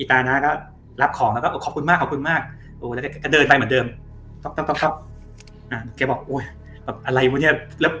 อ้าวน้าอาละรับของขอบคุณมากแล้วก็เดินไปเหมือนเดิม